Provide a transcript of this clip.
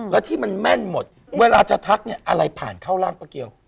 แล้วที่มันแม่นหมดเวลาจะทักเนี่ยอะไรผ่านเข้าร่างป้าเกียว